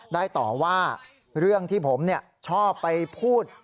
ได้ต่อว่าเรื่องที่ผมชอบไปพูด